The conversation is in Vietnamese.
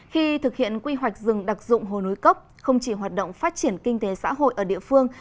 khi thực hiện quy hoạch rừng đặc dụng hồ nối cốc không chỉ hoạt động phát triển kinh tế xã hội ở địa phương